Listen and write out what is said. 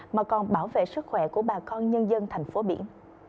mà còn bảo vệ sức khỏe của bà con nhân dân thành phố biển